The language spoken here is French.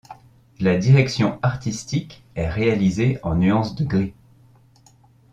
La direction artistique est réalisée en nuances de gris.